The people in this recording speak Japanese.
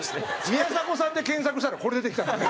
「宮迫さん」で検索したらこれ出てきたんで。